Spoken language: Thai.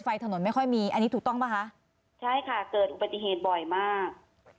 ไฟถนนไม่ค่อยมีอันนี้ถูกต้องป่ะคะใช่ค่ะเกิดอุบัติเหตุบ่อยมาก